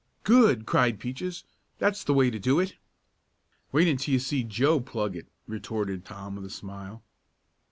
"Good!" cried Peaches. "That's the way to do it!" "Wait until you see Joe plug it," retorted Tom with a smile.